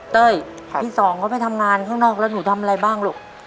เต้ยพี่สองเขาไปทำงานข้างนอกแล้วหนูทำอะไรบ้างลูก